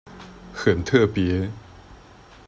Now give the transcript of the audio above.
很特別